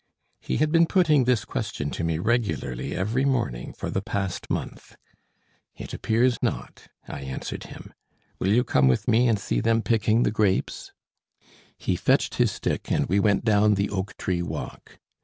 He had been putting this question to me regularly every morning for the past month. "It appears not," I answered him. "Will you come with me and see them picking the grapes?" He fetched his stick, and we went down the oak tree walk.